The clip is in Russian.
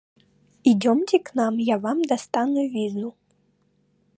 Идемте к нам — я вам достану визу!